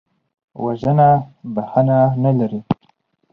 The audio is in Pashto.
وژنه بښنه نه لري